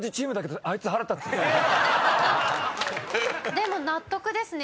⁉でも納得ですね。